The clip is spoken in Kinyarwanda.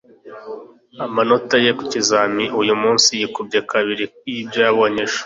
amanota ye ku kizamini uyumunsi yikubye kabiri ibyo yabonye ejo